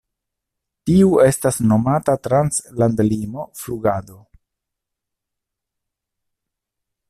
Tiu estas nomata Trans-landlimo Flugado.